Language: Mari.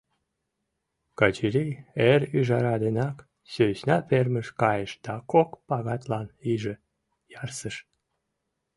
Качырий эр ӱжара денак сӧсна фермыш кайыш да кок шагатлан иже ярсыш.